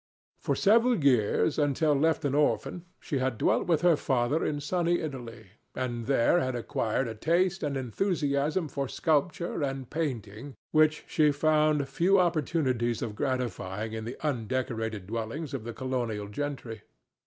For several years, until left an orphan, she had dwelt with her father in sunny Italy, and there had acquired a taste and enthusiasm for sculpture and painting which she found few opportunities of gratifying in the undecorated dwellings of the colonial gentry.